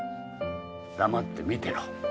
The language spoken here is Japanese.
黙って見てろ。